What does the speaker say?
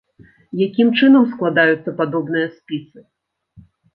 Якім чынам складаюцца падобныя спісы?